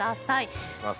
お願いします。